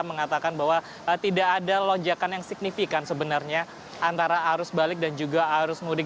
mengatakan bahwa tidak ada lonjakan yang signifikan sebenarnya antara arus balik dan juga arus mudik